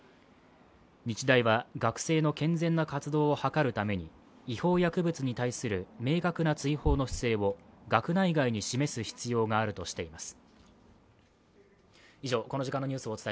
日大は学生の健全な活動を図るために違法薬物に対する明確な追放の姿勢を学内外に示す必要があるとしています。